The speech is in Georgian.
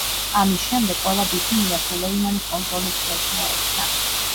ამის შემდეგ, ყველა ბითინია სულეიმანის კონტროლის ქვეშ მოექცა.